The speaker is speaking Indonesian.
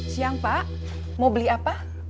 siang pak mau beli apa